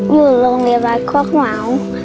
อยู่โรงเรียบรัฐพวกเหมา